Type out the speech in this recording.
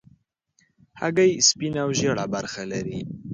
هګۍ سپینه او ژېړه برخه لري.